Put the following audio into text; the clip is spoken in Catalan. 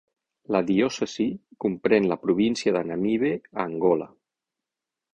La diòcesi comprèn la província de Namibe a Angola.